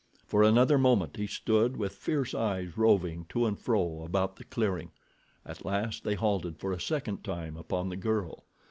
For another moment he stood with fierce eyes roving to and fro about the clearing. At last they halted for a second time upon the girl.